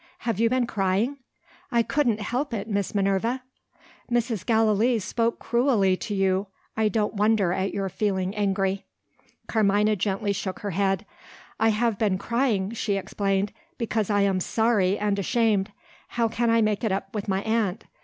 "Have you been crying?" "I couldn't help it, Miss Minerva." "Mrs. Gallilee spoke cruelly to you I don't wonder at your feeling angry." Carmina gently shook her head. "I have been crying," she explained, "because I am sorry and ashamed. How can I make it up with my aunt?